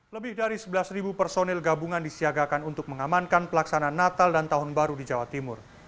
lebih dari sebelas personil gabungan disiagakan untuk mengamankan pelaksanaan natal dan tahun baru di jawa timur